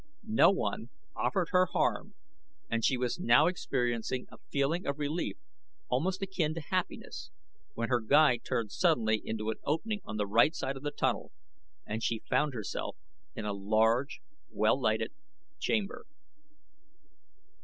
No one offered her harm and she was now experiencing a feeling of relief almost akin to happiness, when her guide turned suddenly into an opening on the right side of the tunnel and she found herself in a large, well lighted chamber.